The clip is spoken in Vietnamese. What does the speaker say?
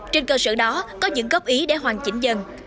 trên cơ sở đó có những góp ý để hoàn chỉnh dần